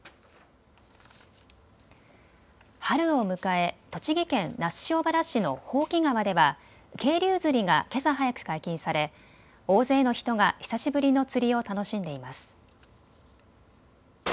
春を迎え栃木県那須塩原市の箒川では渓流釣りがけさ早く解禁され大勢の人が久しぶりの釣りを楽しんでいます。